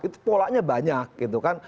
itu polanya banyak gitu kan